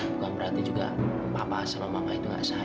bukan berarti juga papa sama mama itu nggak sayang